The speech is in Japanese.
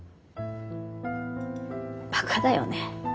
バカだよね。